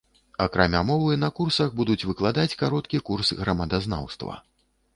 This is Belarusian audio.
Акрамя мовы, на курсах будуць выкладаць кароткі курс грамадазнаўства.